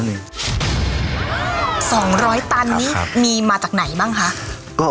๒๐๐ตันนี้ครับครับมีมาจากไหนบ้างคะ